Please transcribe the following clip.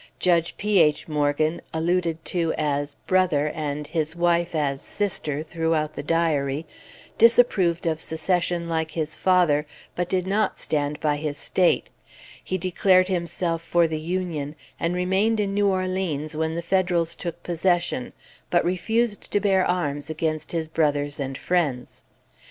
Judge P. H. Morgan (alluded to as "Brother" and his wife as "Sister" throughout the Diary) disapproved of Secession like his father, but did not stand by his State. He declared himself for the Union, and remained in New Orleans when the Federals took possession, but refused to bear arms against his brothers and friends.